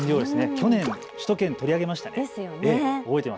去年、首都圏で取り上げましたね。